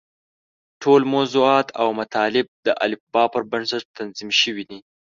ټول موضوعات او مطالب د الفباء پر بنسټ تنظیم شوي دي.